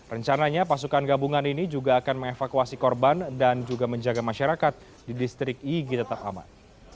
rencananya pasukan gabungan ini juga akan mengevakuasi korban dan juga menjaga masyarakat di distrik yigi tetap aman